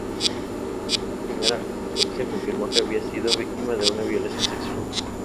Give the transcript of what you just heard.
Una primera autopsia confirmó que había sido víctima de una violación sexual.